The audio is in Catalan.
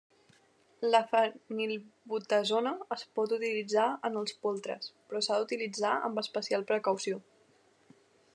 La fenilbutazona es pot utilitzar en els poltres, però s'ha d'utilitzar amb especial precaució.